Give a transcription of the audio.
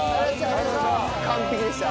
完璧でした。